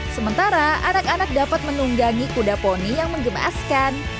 sementara anak anak dapat menunggangi kuda poni yang mengemaskan